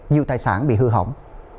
nhiều tài sản bị hư hỏng